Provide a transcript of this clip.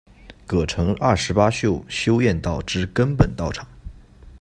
葛城二十八宿修验道之根本道场。